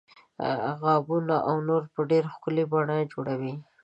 غابونه او نور په ډیره ښکلې بڼه جوړوي.